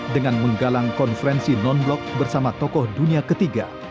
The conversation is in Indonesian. dengan menggalang konferensi non blok bersama tokoh dunia ketiga